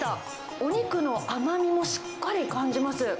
お肉の甘みもしっかり感じます。